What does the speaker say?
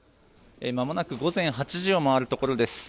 まもなく午前８時を回るところです。